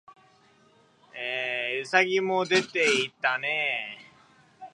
兎もでていたねえ